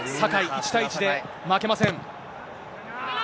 １対１で負けません。